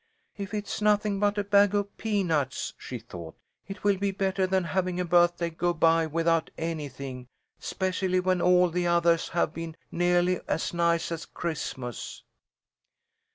"If it's nothing but a bag of peanuts," she thought, "it will be better than having a birthday go by without anything, 'specially when all the othahs have been neahly as nice as Christmas."